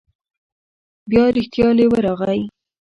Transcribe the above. بیا رښتیا لیوه راغی.